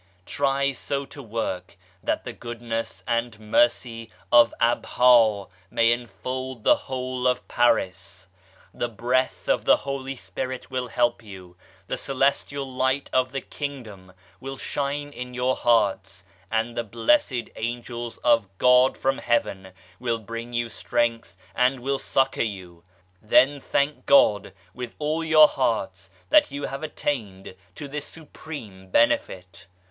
Try so to work that the Goodness and Mercy of Abha may enfold theVhole of Paris. The Breath of the Holy Spirit will help you, the Celestial Light of the Kingdom will shine in your hearts, and the blessed Angels of God from Heaven will bring you strength and will succour you. Then thank God with all your hearts that you have attained to this supreme benefit.